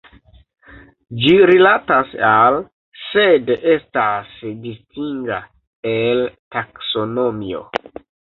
Ĝi rilatas al, sed estas distinga el taksonomio.